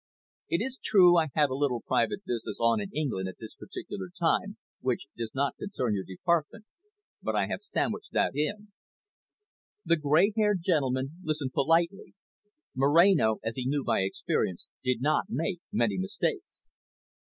It is true I had a little private business on in England at this particular time, which does not concern your department. But I have sandwiched that in." The grey haired gentleman listened politely. Moreno, as he knew by experience, did not make many mistakes.